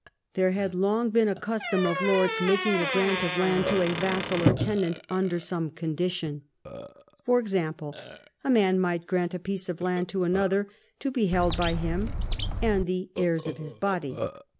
There had long been a custom of lords making a grant of land to a vassal or tenant under some condition. For example, a man might grant a piece of land to another to be held by him " and the heirs of his body."